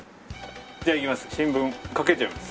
じゃあいきます。